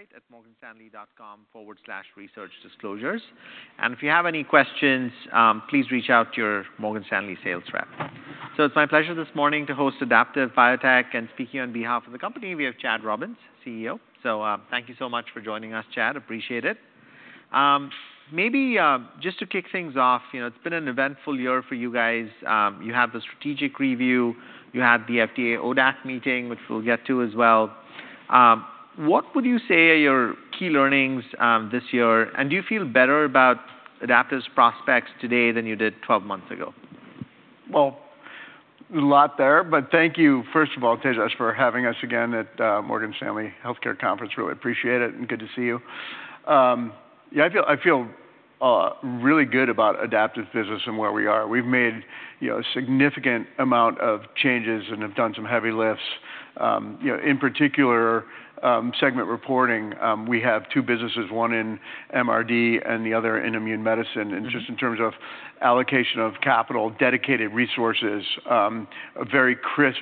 At morganstanley.com/researchdisclosures. If you have any questions, please reach out to your Morgan Stanley sales rep. It is my pleasure this morning to host Adaptive Biotech, and speaking on behalf of the company, we have Chad Robins, CEO. Thank you so much for joining us, Chad. Appreciate it. Maybe just to kick things off, you know, it's been an eventful year for you guys. You have the strategic review, you have the FDA ODAC meeting, which we'll get to as well. What would you say are your key learnings this year? Do you feel better about Adaptive's prospects today than you did twelve months ago? Thank you, first of all, Tejas, for having us again at Morgan Stanley Healthcare Conference. Really appreciate it, and good to see you. Yeah, I feel, I feel really good about Adaptive's business and where we are. We've made, you know, a significant amount of changes and have done some heavy lifts. You know, in particular, segment reporting, we have two businesses, one in MRD and the other in immune medicine. Mm-hmm. In terms of allocation of capital, dedicated resources, a very crisp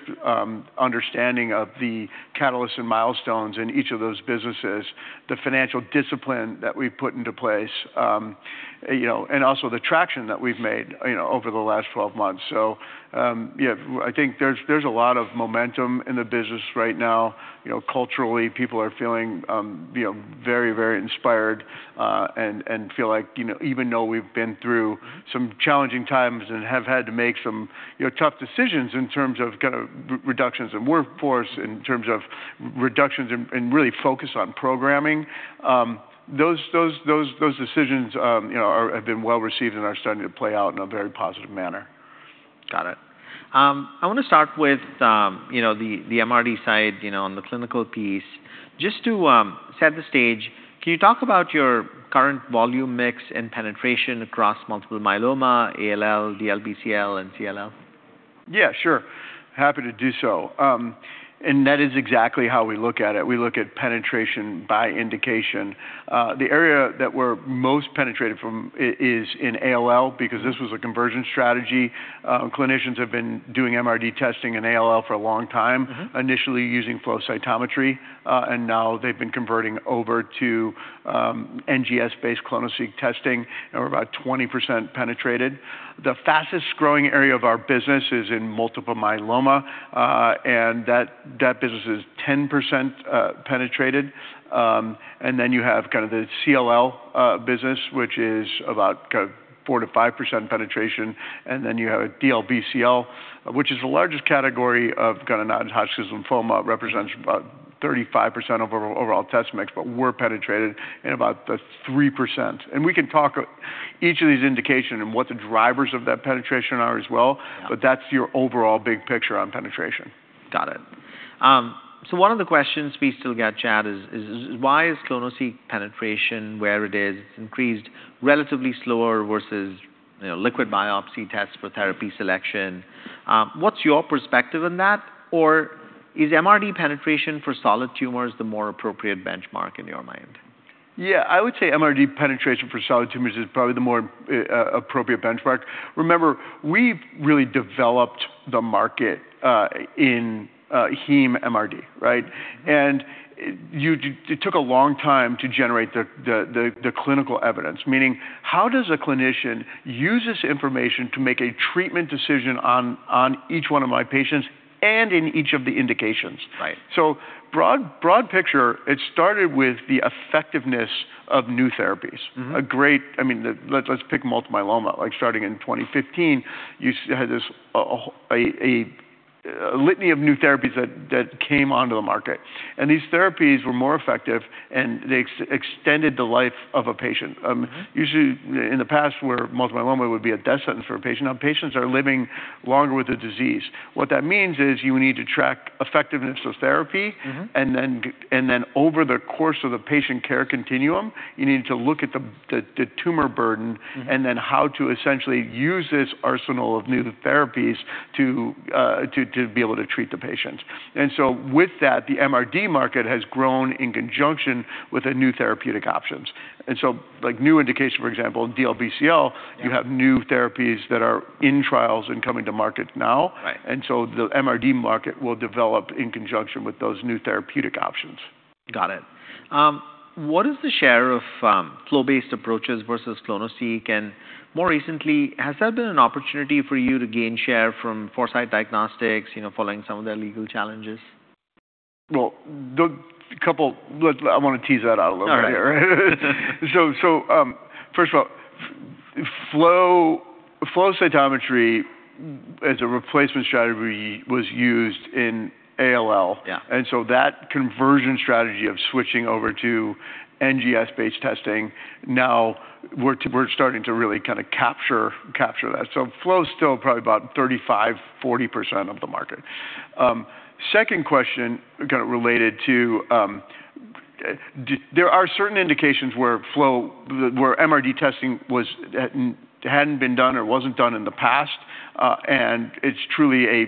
understanding of the catalysts and milestones in each of those businesses, the financial discipline that we've put into place, you know, and also the traction that we've made, you know, over the last twelve months. Yeah, I think there's a lot of momentum in the business right now. You know, culturally, people are feeling, you know, very, very inspired, and feel like, you know, even though we've been through some challenging times and have had to make some tough decisions in terms of kind of reductions in workforce, in terms of reductions and really focus on programming, those decisions, you know, have been well received and are starting to play out in a very positive manner. Got it. I want to start with, you know, the MRD side, you know, and the clinical piece. Just to set the stage, can you talk about your current volume mix and penetration across multiple myeloma, ALL, DLBCL, and CLL? Yeah, sure. Happy to do so. And that is exactly how we look at it. We look at penetration by indication. The area that we're most penetrated from is in ALL, because this was a conversion strategy. Clinicians have been doing MRD testing in ALL for a long time. Mm-hmm ...initially using flow cytometry, and now they've been converting over to NGS-based ClonoSEQ testing, and we're about 20% penetrated. The fastest growing area of our business is in multiple myeloma, and that business is 10% penetrated. And then you have kind of the CLL business, which is about 4%-5% penetration, and then you have DLBCL, which is the largest category of kind of non-Hodgkin lymphoma, represents about 35% of our overall test mix, but we're penetrated in about 3%. We can talk each of these indication and what the drivers of that penetration are as well. Yeah... but that is your overall big picture on penetration. Got it. So one of the questions we still get, Chad, is, is why is ClonoSEQ penetration, where it is, increased relatively slower versus, you know, liquid biopsy tests for therapy selection? What's your perspective on that, or is MRD penetration for solid tumors the more appropriate benchmark in your mind? Yeah, I would say MRD penetration for solid tumors is probably the more appropriate benchmark. Remember, we've really developed the market in heme MRD, right? And it took a long time to generate the clinical evidence, meaning, how does a clinician use this information to make a treatment decision on each one of my patients and in each of the indications? Right. Broad, broad picture, it started with the effectiveness of new therapies. Mm-hmm. A great... I mean, let's pick multiple myeloma. Like, starting in 2015, you had this, a litany of new therapies that came onto the market, and these therapies were more effective, and they extended the life of a patient. Mm-hmm... usually, in the past, where multiple myeloma would be a death sentence for a patient, now patients are living longer with the disease. What that means is you need to track effectiveness of therapy. Mm-hmm... and then over the course of the patient care continuum, you need to look at the tumor burden. Mm-hmm... and then how to essentially use this arsenal of new therapies to, to be able to treat the patients. With that, the MRD market has grown in conjunction with the new therapeutic options. Like, new indication, for example, DLBCL. Yeah... you have new therapies that are in trials and coming to market now. Right. The MRD market will develop in conjunction with those new therapeutic options. Got it. What is the share of flow-based approaches versus ClonoSEQ? And more recently, has that been an opportunity for you to gain share from Foresight Diagnostics, you know, following some of their legal challenges? The couple—let—I want to tease that out a little bit here. All right. First of all, flow cytometry as a replacement strategy was used in ALL. Yeah. That conversion strategy of switching over to NGS-based testing, now we're starting to really kind of capture that. Flow is still probably about 35%-40% of the market. Second question, kind of related to, there are certain indications where flow, where MRD testing was, hadn't been done or wasn't done in the past, and it's truly a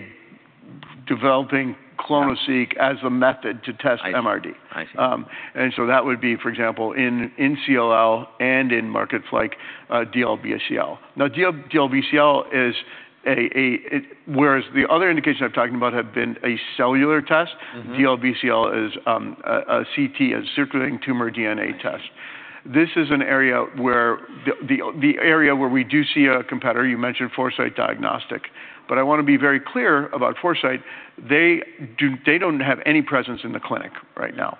developing ClonoSEQ- Yeah... as a method to test MRD. I see. And so that would be, for example, in CLL and in markets like DLBCL. Now, DLBCL is a... It- whereas the other indications I've talked about have been a cellular test- Mm-hmm DLBCL is a CT, a circulating tumor DNA test. This is an area where the area where we do see a competitor, you mentioned Foresight Diagnostics. I want to be very clear about Foresight: they do not have any presence in the clinic right now.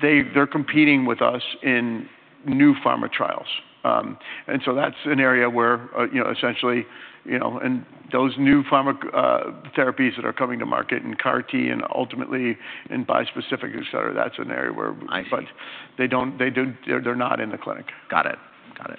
They are competing with us in new pharma trials, and so that's an area where, you know, essentially, you know, and those new pharma therapies that are coming to market in CAR T and ultimately in bispecific, et cetera, that's an area where I see. They do-- they're, they're not in the clinic. Got it. Got it.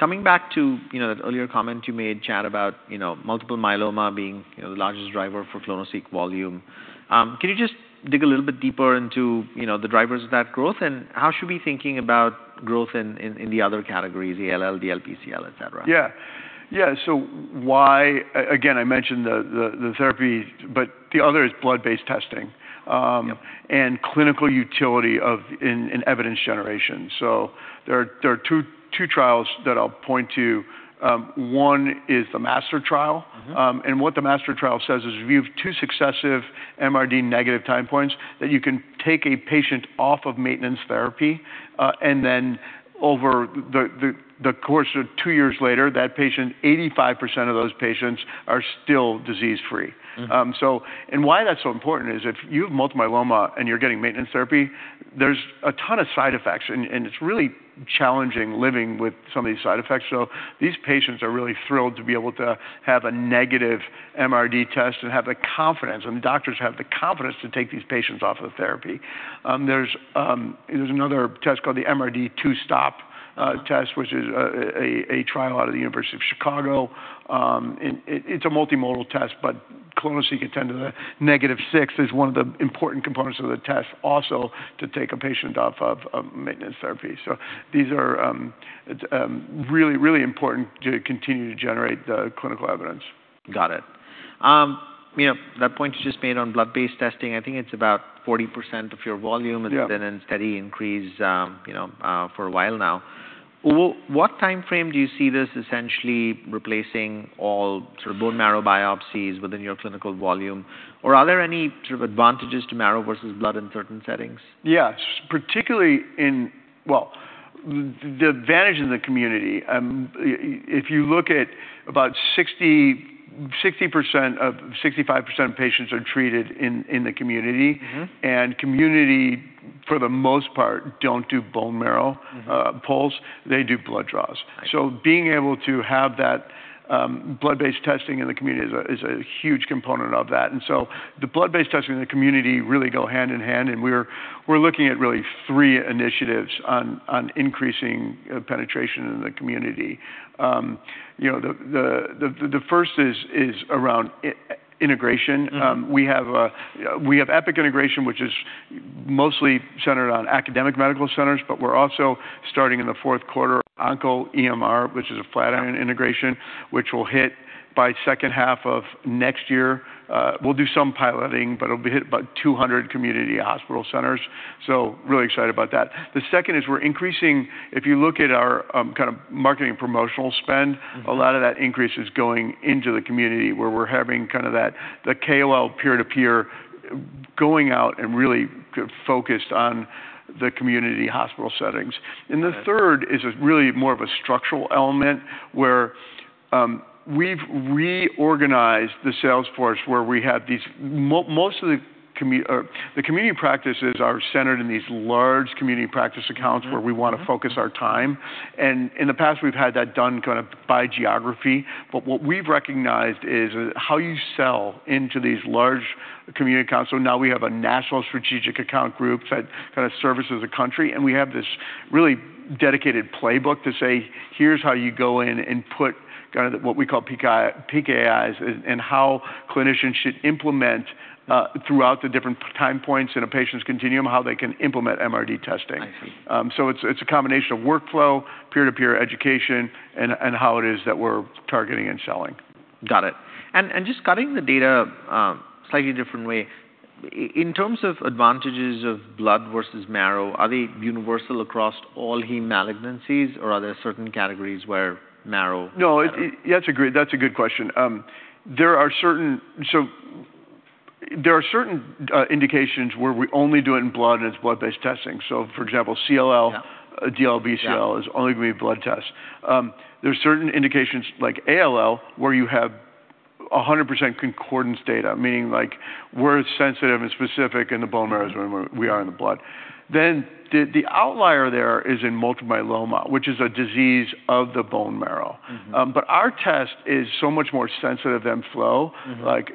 Coming back to, you know, the earlier comment you made, Chad, about, you know, multiple myeloma being, you know, the largest driver for ClonoSEQ volume. Can you just dig a little bit deeper into, you know, the drivers of that growth, and how should we be thinking about growth in, in, in the other categories, the ALL, DLBCL, et cetera? Yeah. Yeah, so why... Again, I mentioned the therapy, but the other is blood-based testing. Yep. Clinical utility of in, in evidence generation. There are two, two trials that I'll point to. One is the MASTER trial. Mm-hmm. What the MASTER trial says is if you have two successive MRD negative time points, that you can take a patient off of maintenance therapy, and then over the course of two years later, that patient, 85% of those patients are still disease-free. Mm-hmm. And why that's so important is if you have multiple myeloma and you're getting maintenance therapy, there's a ton of side effects, and it's really challenging living with some of these side effects. These patients are really thrilled to be able to have a negative MRD test and have the confidence, and the doctors have the confidence to take these patients off of therapy. There's another test called the MRD2STOP test, which is a trial out of the University of Chicago. It is a multimodal test, but ClonoSEQ can tend to the negative six, is one of the important components of the test, also to take a patient off of maintenance therapy. These are really, really important to continue to generate the clinical evidence. Got it. You know, that point you just made on blood-based testing, I think it's about 40% of your volume- Yeah... and it's been a steady increase, you know, for a while now. What time frame do you see this essentially replacing all sort of bone marrow biopsies within your clinical volume? Or are there any sort of advantages to marrow versus blood in certain settings? Yes, particularly in... The advantage in the community, if you look at about 60-65% of patients are treated in the community. Mm-hmm. Community, for the most part, don't do bone marrow- Mm-hmm... pulls, they do blood draws. I see. Being able to have that blood-based testing in the community is a huge component of that. The blood-based testing in the community really go hand in hand, and we're looking at really three initiatives on increasing penetration in the community. You know, the first is around integration. Mm-hmm. We have Epic integration, which is mostly centered on academic medical centers, but we're also starting in the fourth quarter, OncoEMR, which is a Flatiron integration, which will hit by second half of next year. We'll do some piloting, but it'll hit about 200 community hospital centers, so really excited about that. The second is we're increasing... If you look at our, kind of marketing promotional spend- Mm-hmm... a lot of that increase is going into the community, where we're having kind of that, the KOL peer-to-peer, going out and really focused on the community hospital settings. Okay. The third is really more of a structural element, where we've reorganized the sales force, where most of the community practices are centered in these large community practice accounts. Mm-hmm... where we wanna focus our time. In the past, we've had that done kind of by geography, but what we've recognized is, how you sell into these large community accounts. Now we have a national strategic account group that kind of services the country, and we have this really dedicated playbook to say, "Here's how you go in and put kind of what we call KPI, KPIs, and how clinicians should implement, throughout the different time points in a patient's continuum, how they can implement MRD testing. I see. It's a combination of workflow, peer-to-peer education, and how it is that we're targeting and selling. Got it. And just cutting the data, slightly different way. I- in terms of advantages of blood versus marrow, are they universal across all heme malignancies, or are there certain categories where marrow- No, that's a great—that's a good question. There are certain—so there are certain indications where we only do it in blood, and it's blood-based testing. For example, CLL— Yeah... DLBCL- Yeah... is only going to be a blood test. There are certain indications, like ALL, where you have 100% concordance data, meaning, like, we're sensitive and specific in the bone marrows. Mm-hmm... when we are in the blood. The outlier there is in multiple myeloma, which is a disease of the bone marrow. Mm-hmm. But our test is so much more sensitive than flow- Mm-hmm... like,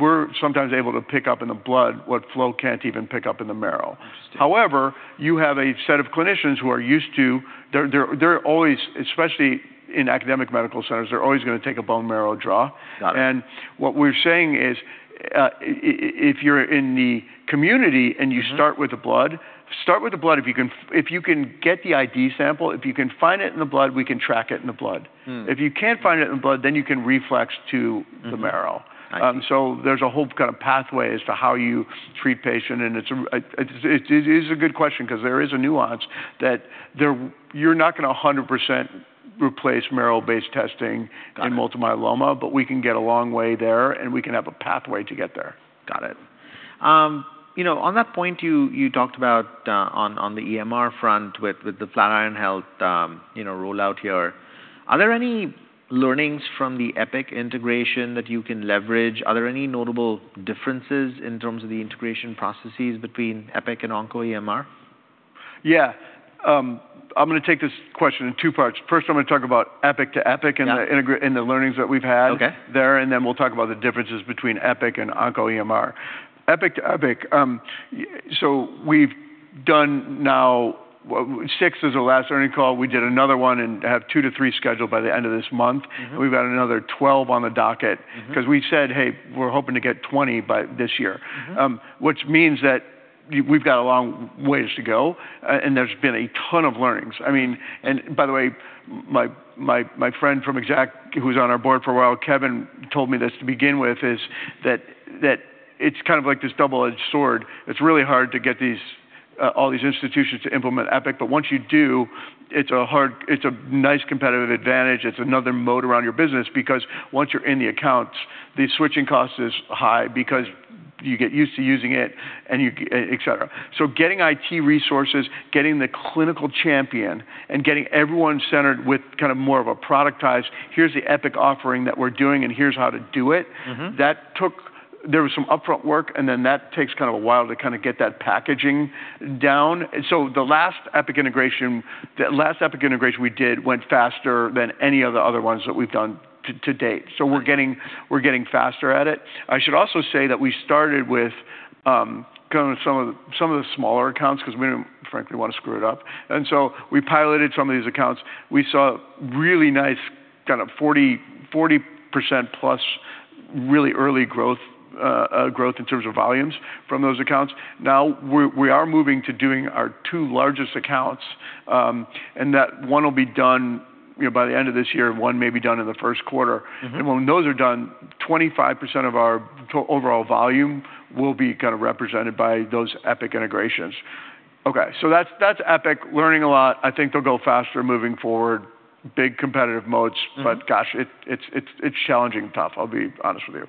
we're sometimes able to pick up in the blood what flow can't even pick up in the marrow. Interesting. However, you have a set of clinicians who are used to... They're always, especially in academic medical centers, they're always gonna take a bone marrow draw. Got it. What we're saying is, if you're in the community- Mm-hmm... and you start with the blood, start with the blood. If you can get the ID sample, if you can find it in the blood, we can track it in the blood. Mm. If you can't find it in the blood, then you can reflex to the marrow. I see. So there's a whole kind of pathway as to how you treat patient, and it is a good question because there is a nuance that there-- you're not gonna a hundred percent... replace marrow-based testing. Got it. -in multiple myeloma, but we can get a long way there, and we can have a pathway to get there. Got it. You know, on that point, you talked about, on the EMR front with the Flatiron Health rollout here, are there any learnings from the Epic integration that you can leverage? Are there any notable differences in terms of the integration processes between Epic and OncoEMR? Yeah. I'm gonna take this question in two parts. First, I'm gonna talk about Epic to Epic- Yeah -and the learnings that we've had- Okay -there, and then we'll talk about the differences between Epic and OncoEMR. Epic to Epic, y- so we've done now, well, six is the last earning call. We did another one and have two to three scheduled by the end of this month. Mm-hmm. We've got another 12 on the docket. Mm-hmm. 'Cause we said, "Hey, we're hoping to get 20 by this year. Mm-hmm. Which means that we've got a long ways to go, and there's been a ton of learnings. I mean... And by the way, my friend from Exact, who was on our board for a while, Kevin told me this to begin with, is that it's kind of like this double-edged sword. It's really hard to get these, all these institutions to implement Epic, but once you do, it's a nice competitive advantage. It's another moat around your business because once you're in the accounts, the switching cost is high because- Right you get used to using it, and you get et cetera. So getting IT resources, getting the clinical champion, and getting everyone centered with kind of more of a productized, "Here's the Epic offering that we're doing, and here's how to do it. Mm-hmm That took... There was some upfront work, and then that takes kind of a while to kind of get that packaging down. The last Epic integration, the last Epic integration we did went faster than any of the other ones that we've done to date. Right. We're getting faster at it. I should also say that we started with kind of some of the smaller accounts because we didn't, frankly, want to screw it up, and so we piloted some of these accounts. We saw really nice kind of 40%-40%+ really early growth, growth in terms of volumes from those accounts. Now, we are moving to doing our two largest accounts, and that one will be done by the end of this year, and one may be done in the first quarter. Mm-hmm. When those are done, 25% of our total overall volume will be kind of represented by those Epic integrations. Okay, so that's Epic. Learning a lot. I think they'll go faster moving forward. Big competitive moats. Mm. Gosh, it is challenging and tough, I'll be honest with you.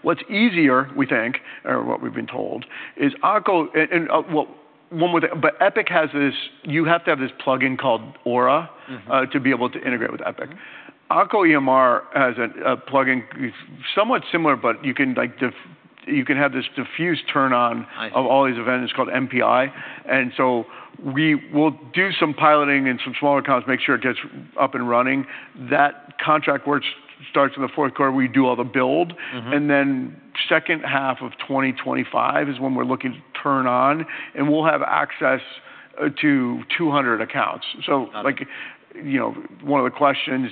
What's easier, we think, or what we've been told, is Onco... And, one more thing, Epic has this—you have to have this plugin called Aura. Mm-hmm to be able to integrate with Epic. Mm-hmm. OncoEMR has a, a plugin, it's somewhat similar, but you can, like, you can have this diffuse turn on- I see -of all these events, and it's called MPI. We will do some piloting in some smaller accounts, make sure it gets up and running. That contract work starts in the fourth quarter. We do all the build. Mm-hmm. Second half of 2025 is when we're looking to turn on, and we'll have access to 200 accounts. Got it. Like, you know, one of the questions,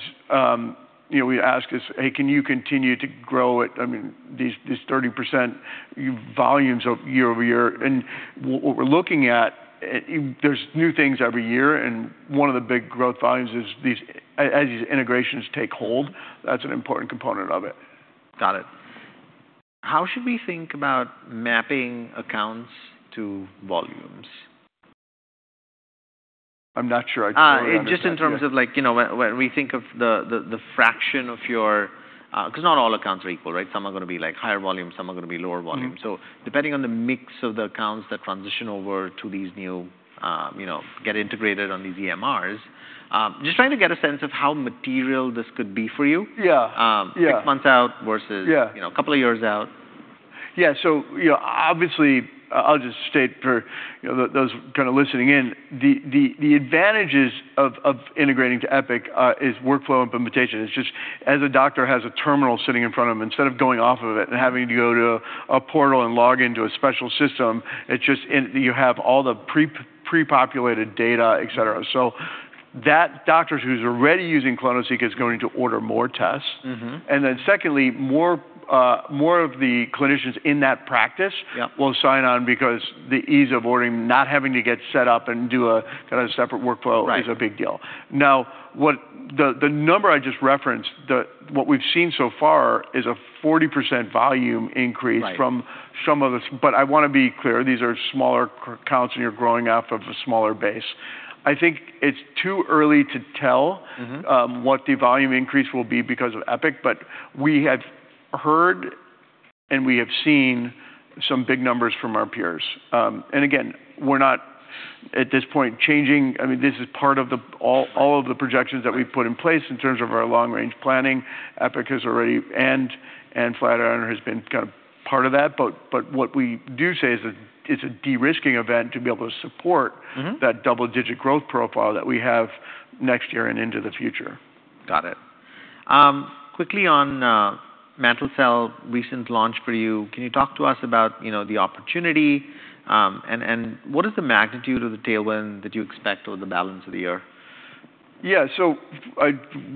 you know, we ask is, "Hey, can you continue to grow at, I mean, these, these 30% volumes year-over-year?" What we're looking at, there's new things every year, and one of the big growth volumes is these... As these integrations take hold, that's an important component of it. Got it. How should we think about mapping accounts to volumes? I'm not sure I totally understand yet. Just in terms of like, you know, when we think of the, the, the fraction of your... because not all accounts are equal, right? Some are gonna be, like, higher volume, some are gonna be lower volume. Mm-hmm. Depending on the mix of the accounts that transition over to these new, you know, get integrated on these EMRs, just trying to get a sense of how material this could be for you. Yeah. Yeah. Six months out versus- Yeah you know, a couple of years out. Yeah. So, you know, obviously, I'll just state for, you know, those kind of listening in, the advantages of integrating to Epic is workflow implementation. It's just, as a doctor has a terminal sitting in front of him, instead of going off of it and having to go to a portal and log into a special system, it's just in, you have all the prepopulated data, et cetera. So that doctors who's already using ClonoSEQ is going to order more tests. Mm-hmm. Secondly, more of the clinicians in that practice- Yeah will sign on because the ease of ordering, not having to get set up and do a, kind of, separate workflow. Right -is a big deal. Now, what—the, the number I just referenced, the... What we've seen so far is a 40% volume increase- Right From some of the... I want to be clear, these are smaller accounts, and you're growing off of a smaller base. I think it's too early to tell. Mm-hmm What the volume increase will be because of Epic, but we have heard, and we have seen some big numbers from our peers. Again, we're not at this point changing—I mean, this is part of all of the projections that we've put in place in terms of our long-range planning. Epic has already... And Flatiron has been kind of part of that, but what we do say is that it's a de-risking event to be able to support— Mm-hmm -that double-digit growth profile that we have next year and into the future. Got it. Quickly on mantle cell recent launch for you, can you talk to us about, you know, the opportunity, and what is the magnitude of the tailwind that you expect over the balance of the year? Yeah. So,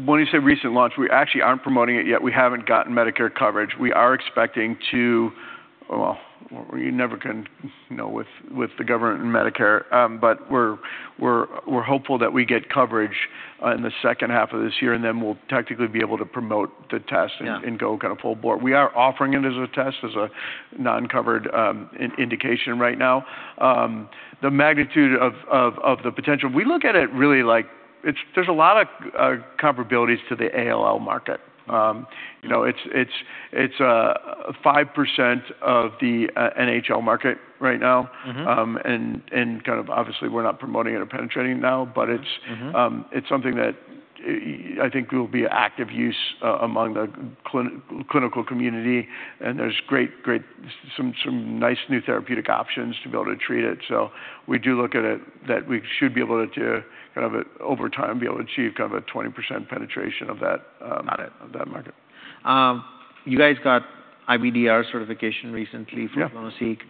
when you say recent launch, we actually aren't promoting it yet. We haven't gotten Medicare coverage. We are expecting to... You never can know with the government and Medicare, but we're hopeful that we get coverage in the second half of this year, and then we'll technically be able to promote the test. Yeah -and go kind of full board. We are offering it as a test, as a non-covered indication right now. The magnitude of the potential. We look at it really like it's-- there's a lot of comparabilities to the ALL market. You know, it's five percent of the NHL market right now. Mm-hmm. And kind of obviously, we're not promoting it or penetrating now, but it's- Mm-hmm... it's something that I think will be active use among the clinical community, and there's great, great-- some nice new therapeutic options to be able to treat it. We do look at it that we should be able to kind of, over time, be able to achieve kind of a 20% penetration of that, um- Got it -of that market. You guys got IVDR certification recently- Yeah -for ClonoSEQ.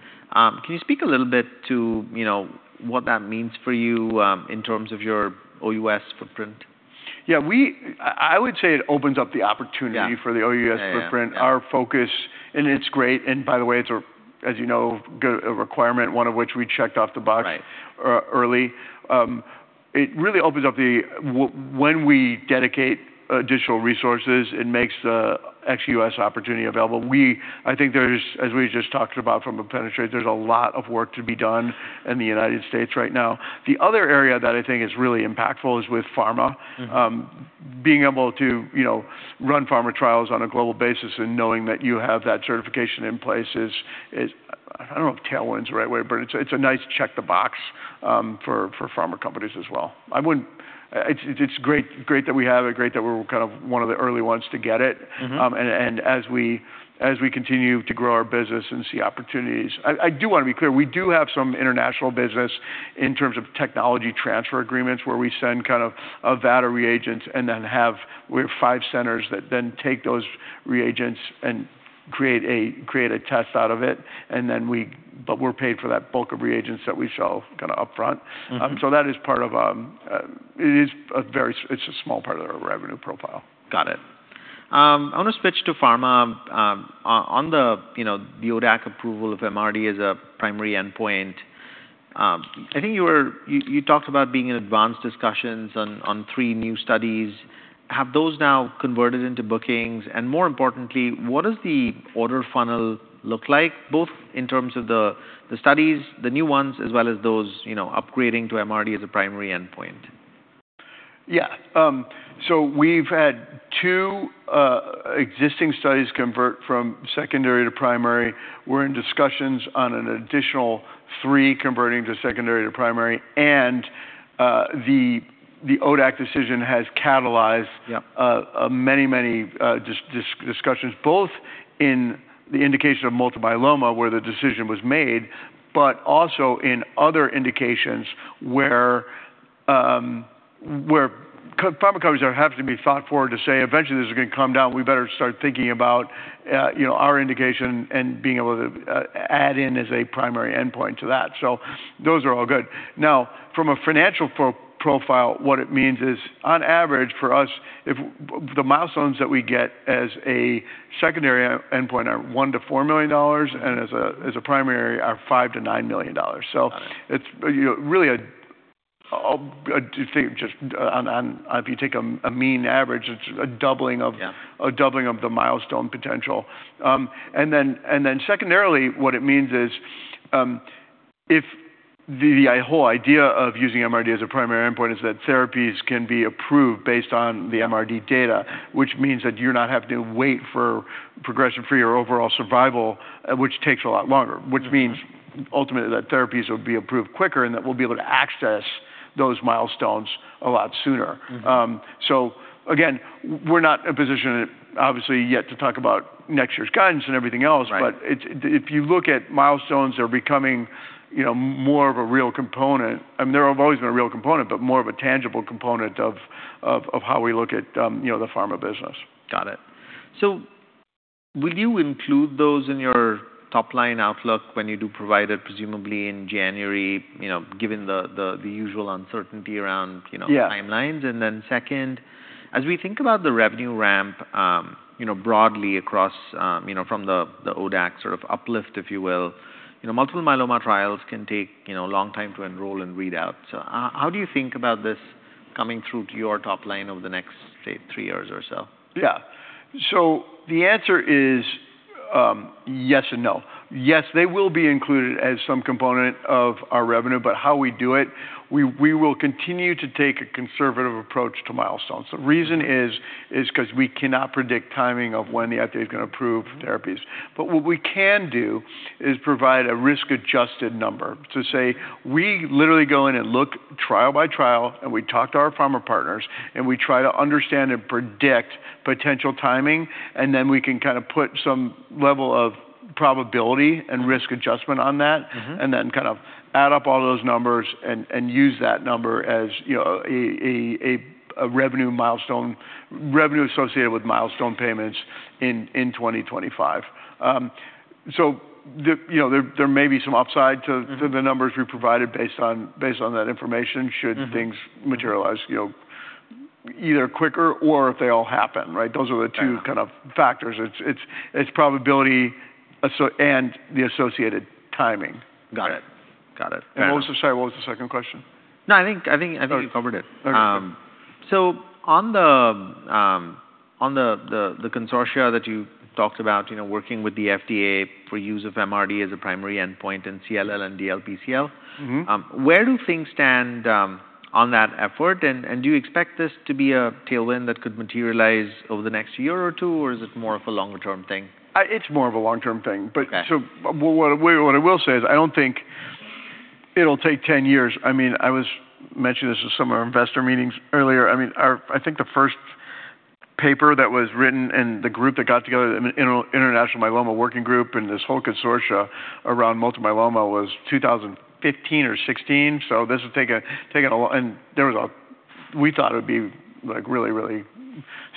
Can you speak a little bit to, you know, what that means for you in terms of your OUS footprint? Yeah, I would say it opens up the opportunity. Yeah -for the OUS footprint. Yeah, yeah. Our focus, and it's great, and by the way, it's a, as you know, a requirement, one of which we checked off the box. Right... early. It really opens up the, when we dedicate additional resources, it makes the ex-US opportunity available. I think there's, as we just talked about from a penetrate, there's a lot of work to be done in the United States right now. The other area that I think is really impactful is with pharma. Mm-hmm. Being able to, you know, run pharma trials on a global basis and knowing that you have that certification in place is, is... I don't know if tailwind's the right way, but it's a, it's a nice check the box, you know, for pharma companies as well. I wouldn't-- it's, it's great, great that we have it, great that we're kind of one of the early ones to get it. Mm-hmm. As we continue to grow our business and see opportunities, I do wanna be clear, we do have some international business in terms of technology transfer agreements, where we send kind of a lot of reagents and then have five centers that then take those reagents and create a test out of it, and then we are paid for that bulk of reagents that we sell kind of upfront. Mm-hmm. That is part of, it is a very, it's a small part of our revenue profile. Got it. I want to switch to pharma. On the, you know, the ODAC approval of MRD as a primary endpoint, I think you were—you talked about being in advanced discussions on three new studies. Have those now converted into bookings? And more importantly, what does the order funnel look like, both in terms of the studies, the new ones, as well as those, you know, upgrading to MRD as a primary endpoint? Yeah. We've had two existing studies convert from secondary to primary. We're in discussions on an additional three converting from secondary to primary. The ODAC decision has catalyzed— Yeah... many, many discussions, both in the indication of multiple myeloma, where the decision was made, but also in other indications where pharma companies are having to be thought forward to say, "Eventually, this is gonna come down. We better start thinking about, you know, our indication and being able to add in as a primary endpoint to that." Those are all good. Now, from a financial profile, what it means is, on average, for us, if the milestones that we get as a secondary endpoint are $1 million-$4 million, and as a primary, are $5 million-$9 million. Got it. It's really a... Just on, on- if you take a mean average, it's a doubling of- Yeah... a doubling of the milestone potential. And then, secondarily, what it means is, if the whole idea of using MRD as a primary endpoint is that therapies can be approved based on the MRD data, which means that you're not having to wait for progression-free or overall survival, which takes a lot longer. Mm-hmm. Which means ultimately, that therapies would be approved quicker, and that we'll be able to access those milestones a lot sooner. Mm-hmm. So again, we're not in a position, obviously, yet to talk about next year's guidance and everything else. Right. If you look at milestones, they're becoming, you know, more of a real component. I mean, they have always been a real component, but more of a tangible component of, you know, the pharma business. Got it. Will you include those in your top-line outlook when you do provide it, presumably in January, you know, given the usual uncertainty around, you know— Yeah ...timelines? And then second, as we think about the revenue ramp, you know, broadly across, you know, from the ODAC sort of uplift, if you will, you know, multiple myeloma trials can take, you know, a long time to enroll and read out. How do you think about this coming through to your top line over the next, say, three years or so? Yeah. The answer is yes and no. Yes, they will be included as some component of our revenue, but how we do it, we will continue to take a conservative approach to milestones. The reason is, is 'cause we cannot predict timing of when the FDA is gonna approve therapies. What we can do is provide a risk-adjusted number to say... We literally go in and look trial by trial, and we talk to our pharma partners, and we try to understand and predict potential timing, and then we can kind of put some level of probability and risk adjustment on that. Mm-hmm. Then kind of add up all those numbers and use that number as, you know, a revenue milestone, revenue associated with milestone payments in 2025. The, you know, there may be some upside to— Mm-hmm... to the numbers we provided based on, based on that information. Mm-hmm... should things materialize, you know, either quicker or if they all happen, right? Yeah. Those are the two kind of factors. It's probability and the associated timing. Got it. Got it. What was the... Sorry, what was the second question? No, I think you covered it. Okay. On the consortia that you talked about, you know, working with the FDA for use of MRD as a primary endpoint in CLL and DLBCL. Mm-hmm. Where do things stand on that effort? Do you expect this to be a tailwind that could materialize over the next year or two, or is it more of a long-term thing? It's more of a long-term thing. Okay. What I will say is I don't think it'll take ten years. I mean, I was mentioning this to some of our investor meetings earlier. I mean, I think the first paper that was written and the group that got together, the International Myeloma Working Group, and this whole consortia around multiple myeloma was 2015 or 2016, so this would take a, take a lo- And there was a... We thought it would be, like, really, really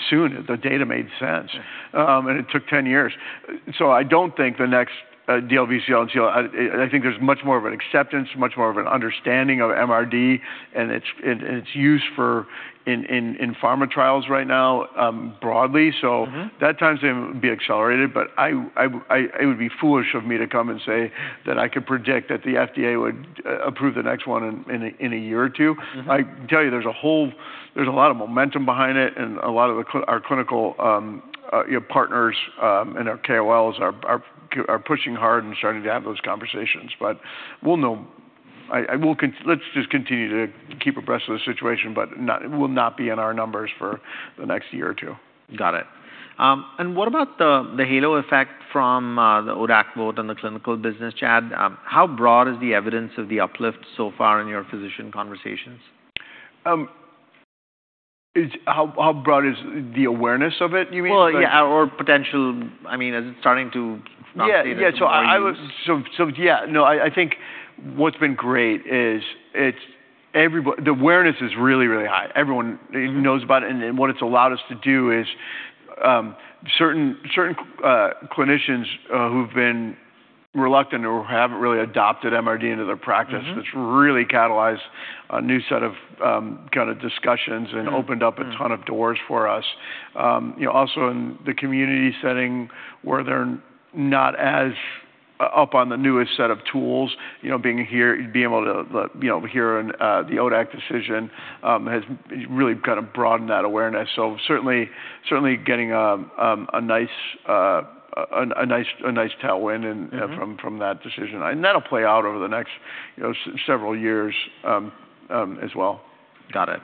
soon. The data made sense. Yeah. And it took ten years. I don't think the next DLBCL and CLL... I think there's much more of an acceptance, much more of an understanding of MRD and its use for in pharma trials right now, broadly. Mm-hmm. That time frame would be accelerated, but I, I... It would be foolish of me to come and say that I could predict that the FDA would approve the next one in a year or two. Mm-hmm. I can tell you there's a lot of momentum behind it and a lot of our clinical, you know, partners, and our KOLs are pushing hard and starting to have those conversations. We will know. Let's just continue to keep abreast of the situation. It will not be in our numbers for the next year or two. Got it. And what about the halo effect from the ODAC vote on the clinical business, Chad? How broad is the evidence of the uplift so far in your physician conversations? It's... How, how broad is the awareness of it, you mean? Yeah, or potential... I mean, is it starting to fluctuate? Yeah, yeah, so I was- Yeah. No, I think what's been great is it's everybo- the awareness is really, really high. Everyone- Mm-hmm... knows about it, and then what it's allowed us to do is, certain, certain clinicians who've been reluctant or haven't really adopted MRD into their practice. Mm-hmm... which really catalyzed a new set of, kind of discussions. Mm-hmm... and opened up a ton of doors for us. You know, also in the community setting, where they're not as up on the newest set of tools, you know, being here, being able to, like, you know, hear on the ODAC decision, has really kind of broadened that awareness. Certainly, certainly getting a nice, a nice tailwind and- Mm-hmm... from that decision. That'll play out over the next several years, you know, as well. Got it.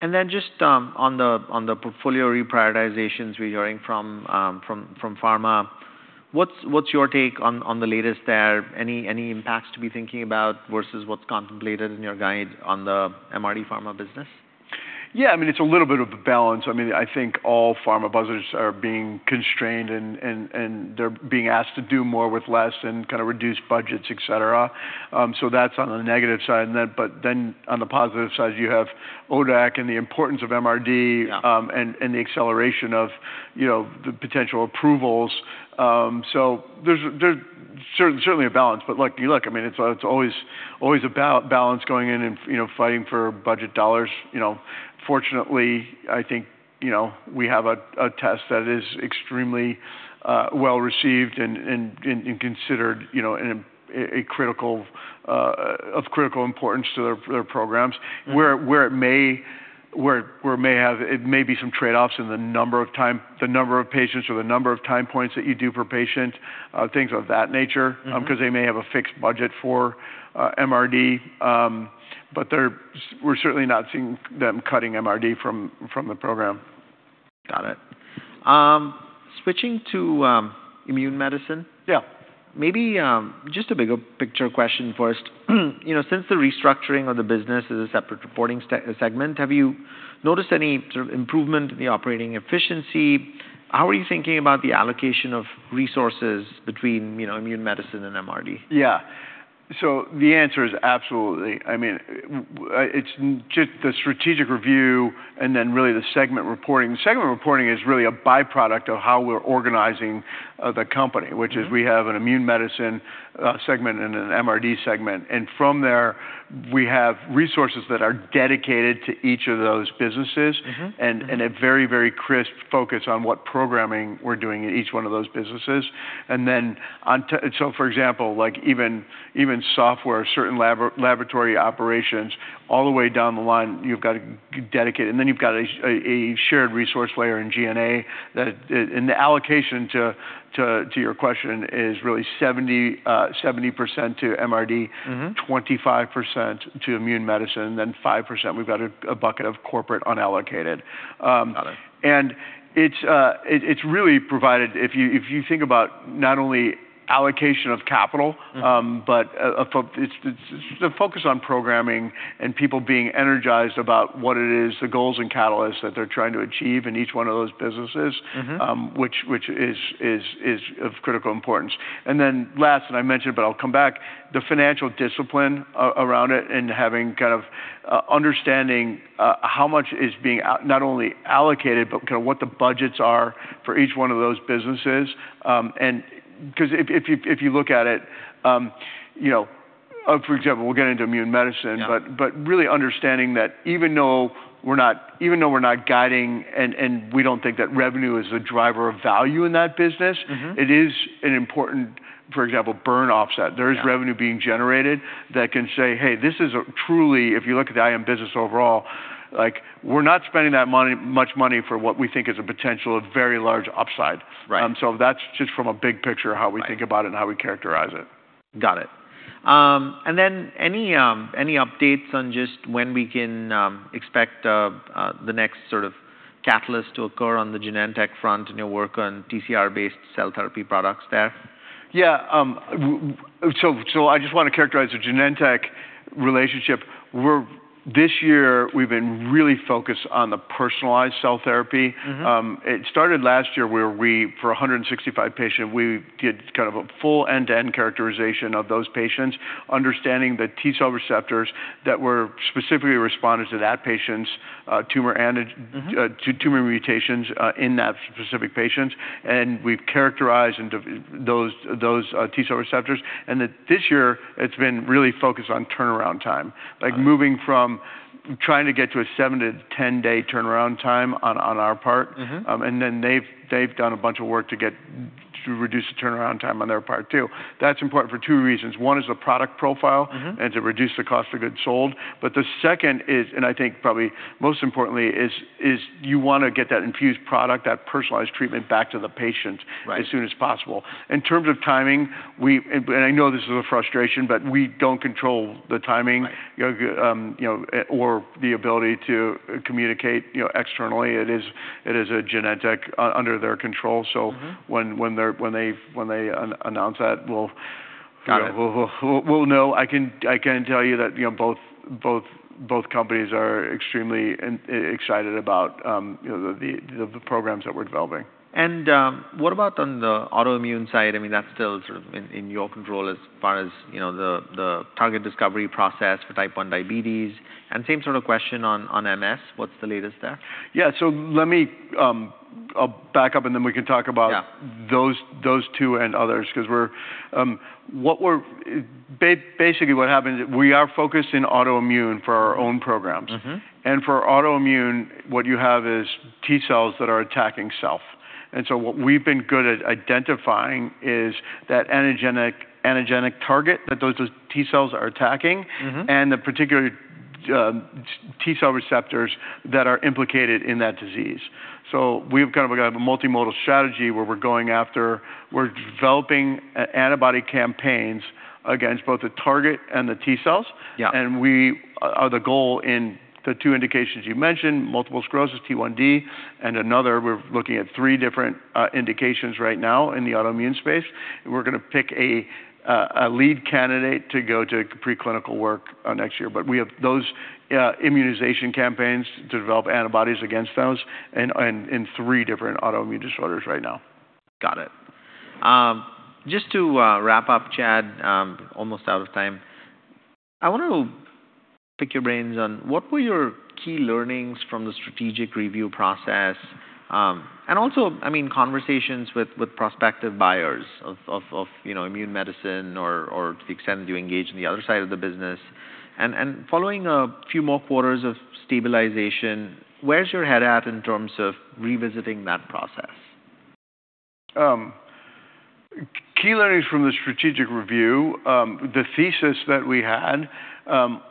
And then just on the portfolio reprioritizations we're hearing from pharma, what's your take on the latest there? Any impacts to be thinking about versus what's contemplated in your guide on the MRD pharma business? Yeah, I mean, it's a little bit of a balance. I mean, I think all pharma buzzers are being constrained and they're being asked to do more with less and kind of reduced budgets, et cetera. That's on the negative side. Then on the positive side, you have ODAC and the importance of MRD- Yeah... and the acceleration of, you know, the potential approvals. There's certainly a balance, but look, you look, I mean, it's always, always about balance going in and, you know, fighting for budget dollars, you know. Fortunately, I think, you know, we have a test that is extremely, well-received and, and considered, you know, in a critical, of critical importance to their programs. Mm-hmm. Where it may have, it may be some trade-offs in the number of patients or the number of time points that you do per patient, things of that nature. Mm-hmm... because they may have a fixed budget for MRD. They are certainly not seeing them cutting MRD from the program. Got it. Switching to immune medicine. Yeah. Maybe, just a bigger picture question first. You know, since the restructuring of the business as a separate reporting segment, have you noticed any sort of improvement in the operating efficiency? How are you thinking about the allocation of resources between, you know, immune medicine and MRD? Yeah. So the answer is absolutely. I mean, it's just the strategic review and then really the segment reporting. The segment reporting is really a by-product of how we're organizing the company. Mm-hmm... which is we have an immune medicine segment and an MRD segment, and from there, we have resources that are dedicated to each of those businesses. Mm-hmm. Mm-hmm. A very, very crisp focus on what programming we're doing in each one of those businesses. For example, like even software, certain laboratory operations, all the way down the line, you've got to dedicate. Then you've got a shared resource layer in G&A, that it... And the allocation to your question is really 70%, 70% to MRD- Mm-hmm... 25% to immune medicine, then 5%, we've got a bucket of corporate unallocated. Got it. It's really provided, if you think about not only allocation of capital- Mm-hmm... but it's the focus on programming and people being energized about what it is, the goals and catalysts that they're trying to achieve in each one of those businesses. Mm-hmm... which is of critical importance. Last, and I mentioned it, but I'll come back, the financial discipline around it and having kind of understanding how much is being not only allocated, but kind of what the budgets are for each one of those businesses. 'Cause if you look at it, you know, for example, we'll get into immune medicine- Yeah... but really understanding that even though we're not, even though we're not guiding and we don't think that revenue is a driver of value in that business. Mm-hmm... it is an important, for example, burn offset. Yeah. There is revenue being generated that can say, "Hey, this is a truly," if you look at the IM business overall, like, we're not spending that much money for what we think is a potential of very large upside. Right. So that's just from a big picture. Right -how we think about it and how we characterize it. Got it. Any updates on just when we can expect the next sort of catalyst to occur on the Genentech front in your work on TCR-based cell therapy products there? Yeah, so I just wanna characterize the Genentech relationship. We're, this year, we've been really focused on the personalized cell therapy. Mm-hmm. It started last year, where we, for 165 patients, we did kind of a full end-to-end characterization of those patients, understanding the T cell receptors that were specifically responders to that patient's, tumor antigen. Mm-hmm To tumor mutations in that specific patient. And we've characterized into those, those T cell receptors, and then this year it's been really focused on turnaround time. Got it. Like, moving from trying to get to a seven- to ten-day turnaround time on, on our part. Mm-hmm. They've done a bunch of work to get... to reduce the turnaround time on their part, too. That's important for two reasons: one is the product profile- Mm-hmm -to reduce the cost of goods sold. The second is, and I think probably most importantly, you wanna get that infused product, that personalized treatment, back to the patient- Right As soon as possible. In terms of timing, we, and I know this is a frustration, but we do not control the timing. Right. You know, or the ability to communicate, you know, externally. It is a Genentech, under their control. Mm-hmm. When they announce that, we'll— Got it. We'll know. I can tell you that, you know, both companies are extremely excited about, you know, the programs that we're developing. What about on the autoimmune side? I mean, that's still sort of in your control as far as, you know, the target discovery process for Type 1 diabetes. And same sort of question on MS. What's the latest there? Yeah. Let me, I'll back up, and then we can talk about- Yeah Those, those two and others, 'cause we're... What we're-- Basically, what happens, we are focused in autoimmune for our own programs. Mm-hmm. For autoimmune, what you have is T cells that are attacking self. What we've been good at identifying is that antigenic, antigenic target that those T cells are attacking. Mm-hmm... and the particular T cell receptors that are implicated in that disease. We've kind of a multimodal strategy, where we're going after—we're developing an antibody campaign against both the target and the T cells. Yeah. The goal in the two indications you mentioned, multiple sclerosis, T1D, and another, we're looking at three different indications right now in the autoimmune space. We're gonna pick a lead candidate to go to preclinical work next year. We have those immunization campaigns to develop antibodies against those in three different autoimmune disorders right now. Got it. Just to wrap up, Chad, almost out of time. I want to pick your brains on, what were your key learnings from the strategic review process? I mean, conversations with, with prospective buyers of, of, you know, immune medicine or, or to the extent that you engage in the other side of the business. Following a few more quarters of stabilization, where's your head at in terms of revisiting that process? Key learnings from the strategic review, the thesis that we had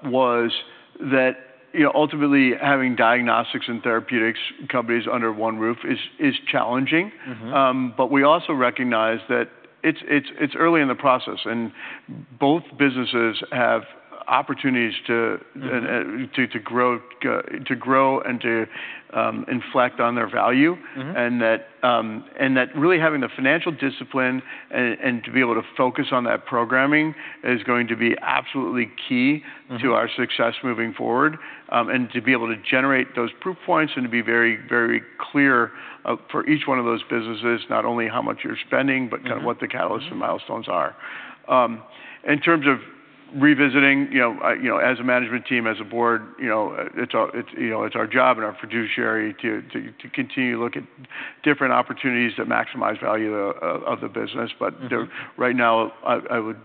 was that, you know, ultimately, having diagnostics and therapeutics companies under one roof is, is challenging. Mm-hmm. We also recognize that it's early in the process, and both businesses have opportunities to— Mm-hmm... to grow, to grow and to inflect on their value. Mm-hmm. That really having the financial discipline and to be able to focus on that programming is going to be absolutely key. Mm-hmm -to our success moving forward. And to be able to generate those proof points and to be very, very clear, for each one of those businesses, not only how much you're spending- Mm-hmm... but kind of what the catalysts and milestones are. In terms of revisiting, you know, as a management team, as a board, you know, it's our, it's, you know, it's our job and our fiduciary to continue to look at different opportunities to maximize value of the business. Mm-hmm. Right now, I would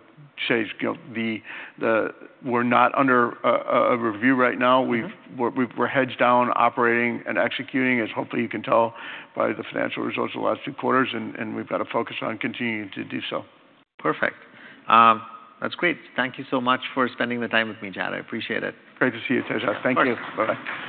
say, you know, we're not under a review right now. Mm-hmm. We're heads down, operating and executing, as hopefully you can tell by the financial results of the last two quarters, and we've got to focus on continuing to do so. Perfect. That's great. Thank you so much for spending the time with me, Chad. I appreciate it. Great to see you, Tejas. Thank you. Thank you. Bye-bye.